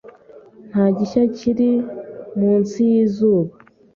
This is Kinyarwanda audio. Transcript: Nta gishya kiri munsi yizuba.